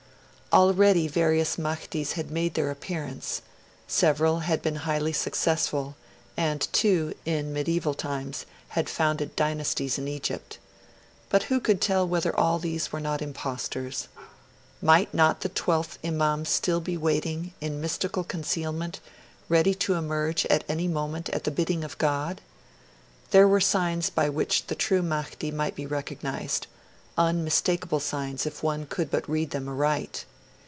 Already various Mahdis had made their appearance; several had been highly successful, and two, in medieval times, had founded dynasties in Egypt. But who could tell whether all these were not impostors? Might not the twelfth Imam be still waiting, in mystical concealment, ready to emerge, at any moment, at the bidding of God? There were signs by which the true Mahdi might be recognised unmistakable signs, if one could but read them aright.